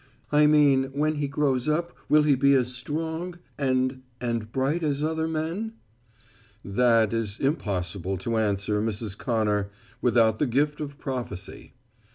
"I mean, when he grows up will he be as strong and and bright as other men?" "That is impossible to answer, Mrs. Connor, without the gift of prophecy."